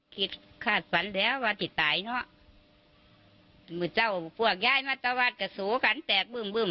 คาดฝันแล้วว่าที่ตายเนอะมึงเจ้าพวกย้ายมาตะวัดกะสูกันแตกบึ่งบึ่ง